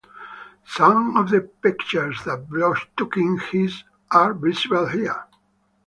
Some of the pictures that Bloch took in his are visible here.